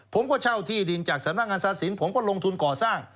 ผมก็เช่าที่ดินจากสำนักงานศาสินผมก็ลงทุนก่อสร้าง